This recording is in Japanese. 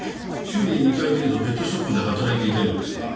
週に２回程度ペットショップで働いていたようですな。